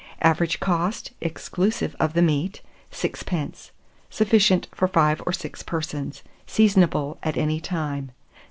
Average cost, exclusive of the meat, 6d. Sufficient for 5 or 6 persons. Seasonable at any time.